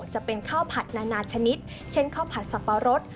จะเป็นข้าวผัดนานาชนิดเช่นข้าวผัดสับปะรด